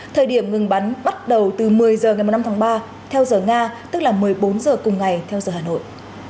thời điểm ngừng bắn bắt đầu từ một mươi h ngày một mươi năm tháng ba theo giờ nga tức là một mươi bốn h cùng ngày theo giờ hà nội